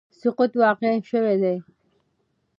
سقوط واقع شوی دی